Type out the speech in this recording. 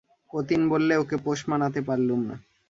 অতীন বললে, ওকে পোষ মানাতে পারলুম না।